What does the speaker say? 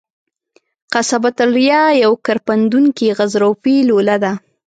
قصبة الریه یوه کرپندوکي غضروفي لوله ده.